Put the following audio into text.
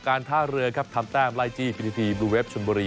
การท่าเรือครับทำแต้มลายจี้ปีทีทีบลูเวฟชนบรี